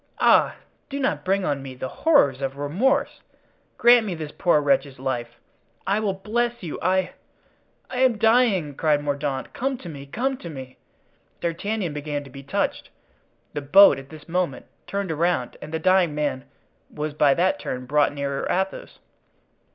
Ah! do not bring on me the horrors of remorse! Grant me this poor wretch's life. I will bless you—I——" "I am dying!" cried Mordaunt, "come to me! come to me!" D'Artagnan began to be touched. The boat at this moment turned around, and the dying man was by that turn brought nearer Athos.